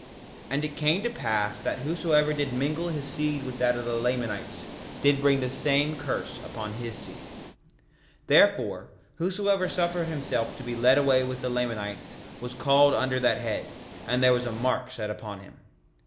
3:9 And it came to pass that whosoever did mingle his seed with that of the Lamanites did bring the same curse upon his seed. 3:10 Therefore, whosoever suffered himself to be led away by the Lamanites was called under that head, and there was a mark set upon him.